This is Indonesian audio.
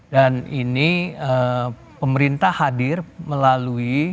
dan ini pemerintah hadir melalui